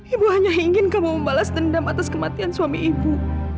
ibu hanya ingin kamu membalas dendam atas kematian suami ibu